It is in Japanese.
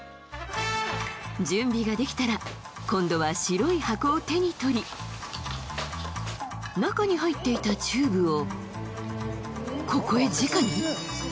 準備ができたら今度は白い箱を手に取り中に入っていたチューブをここへじかに？